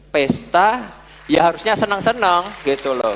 pesta ya harusnya seneng seneng gitu loh